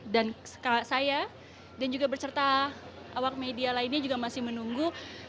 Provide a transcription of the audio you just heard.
dan saya dan juga berserta awak media lainnya juga masih menunggu